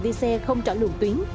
đi xe không trở lường tuyến